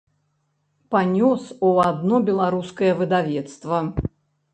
Панёс у адно беларускае выдавецтва.